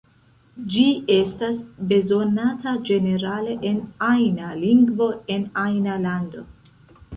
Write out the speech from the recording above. Ĝi estas bezonata ĝenerale, en ajna lingvo, en ajna lando.